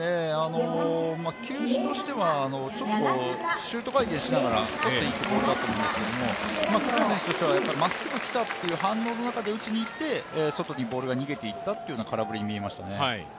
球種としてはちょっとシュート回転しながらのボールだと思うんですけど、栗原選手としてはまっすぐきたという反応の中で振っていって外にボールが逃げていったという空振りに見えましたね。